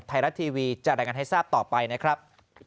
ไทยรัฐทีวีจะรายงานให้ทราบต่อไปนะครับ